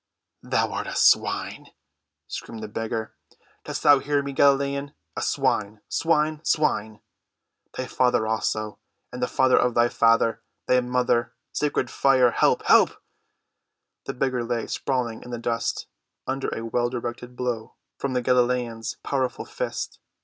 "Thou art a swine!" screamed the beggar. "Dost hear me, Galilean? A swine—swine—swine! Thy father, also, and the father of thy father, thy mother—sacred fire! Help! Help!" The beggar lay sprawling in the dust, under a well‐directed blow from the Galilean's powerful fist.